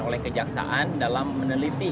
oleh kejaksaan dalam meneliti